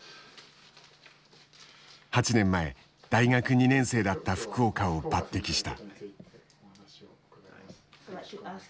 ８年前大学２年生だった福岡を抜てきした。